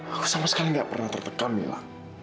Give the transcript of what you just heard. aku sama sekali nggak pernah tertekan mila